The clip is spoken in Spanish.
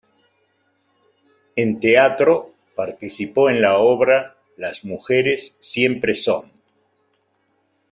En teatro participó en la obra "Las mujeres siempre son".